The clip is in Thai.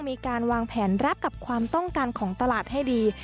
มีการวางแผนรับกับความต้องการของตลาดให้ดี